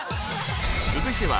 続いては。